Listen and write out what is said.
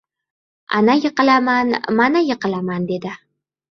Ana yiqilaman, mana yiqilaman dedi.